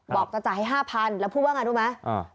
บอกจะจ่ายให้ห้าพันแล้วพูดว่าไงรู้ไหมอ้อ